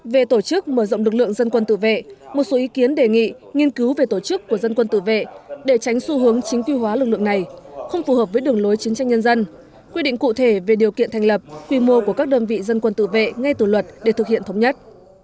về tổ chức mở rộng lực lượng dân quân tự vệ một số ý kiến đề nghị nghiên cứu về tổ chức của dân quân tự vệ để tránh xu hướng chính quy hóa lực lượng này không phù hợp với đường lối chiến tranh nhân dân quy định cụ thể về điều kiện thành lập quy mô của các đơn vị dân quân tự vệ ngay từ luật để thực hiện thống nhất